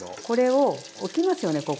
これを置きますよね